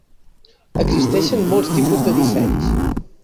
Existeixen molts tipus de dissenys.